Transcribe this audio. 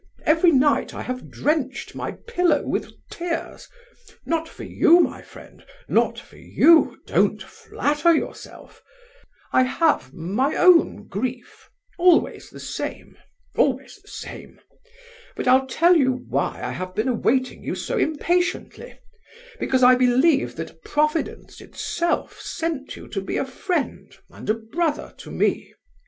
Every night I have drenched my pillow with tears, not for you, my friend, not for you, don't flatter yourself! I have my own grief, always the same, always the same. But I'll tell you why I have been awaiting you so impatiently, because I believe that Providence itself sent you to be a friend and a brother to me.